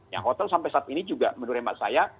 yang hotel sampai saat ini juga menurut emak saya